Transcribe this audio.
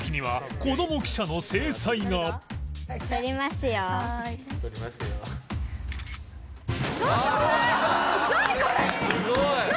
すごい。